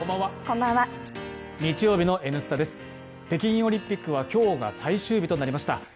北京オリンピックは今日が最終日となりました。